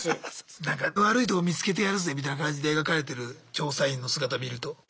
なんか悪いとこ見つけてやるぜみたいな感じで描かれてる調査員の姿見ると。